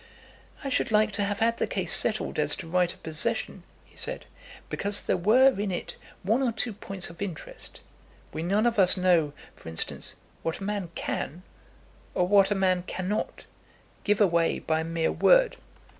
"I should like to have had the case settled as to right of possession," he said, "because there were in it one or two points of interest. We none of us know, for instance, what a man can, or what a man cannot, give away by a mere word."